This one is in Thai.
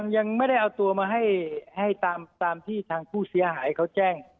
ยังไม่ได้เอาตัวมาให้ตามที่ทางผู้เสียหายเขาแจ้ง